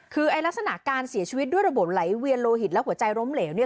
คือไอ้ลักษณะการเสียชีวิตด้วยระบบไหลเวียนโลหิตและหัวใจล้มเหลวเนี่ย